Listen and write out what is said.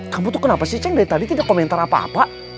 kamu tuh kenapa sih ceng dari tadi tidak komentar apa apa